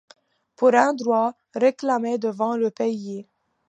Pour un droit, réclamez devant le pays.